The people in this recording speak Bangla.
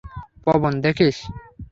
পবন, দেখিস।